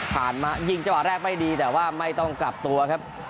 มายิงจังหวะแรกไม่ดีแต่ว่าไม่ต้องกลับตัวครับ